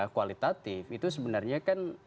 kualitatif itu sebenarnya kan